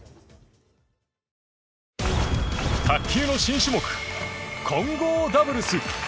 卓球の新種目、混合ダブルス。